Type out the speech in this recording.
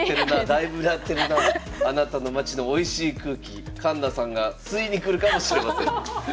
あなたの町のおいしい空気環那さんが吸いに来るかもしれません。